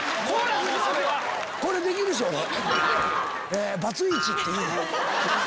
これできるし俺。